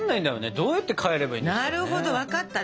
どうやって変えればいいんでしょうかね。